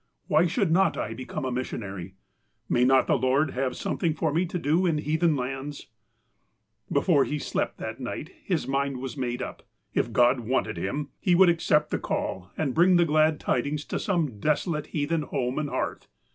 Why should not I become a missionary ? May not the Lord have some thing for me to do in heathen lauds ?" Before he slept that night his mind was made up : If God wanted him, he would accept the call and bring the glad tidings to some desolate heathen home and hearth.